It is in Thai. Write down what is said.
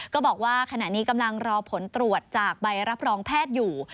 ก็บอกว่าขณะนี้กำลังรอผลตรวจจากใบรับรองแพทย์อยู่